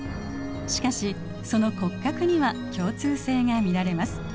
しかしその骨格には共通性が見られます。